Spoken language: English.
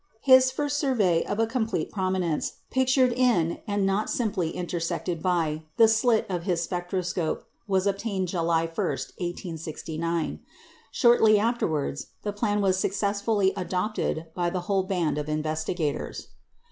His first survey of a complete prominence, pictured in, and not simply intersected by, the slit of his spectroscope, was obtained July 1, 1869. Shortly afterwards the plan was successfully adopted by the whole band of investigators.